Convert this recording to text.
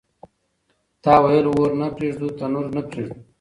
تا ويل اور نه پرېږدو تنور نه پرېږدو